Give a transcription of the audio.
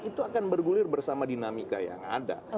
itu akan bergulir bersama dinamika yang ada